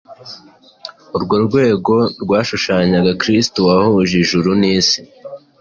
Urwo rwego rwashushanyaga Kristo wahuje ijuru n’isi,